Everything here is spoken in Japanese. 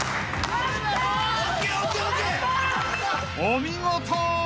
［お見事！